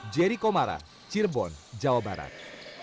jerry komara cirebon jawa barat